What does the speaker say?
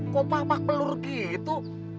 kok pamak pelur gitu